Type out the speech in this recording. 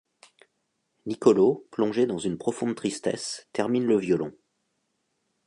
Nicolo, plongé dans une profonde tristesse, termine le violon.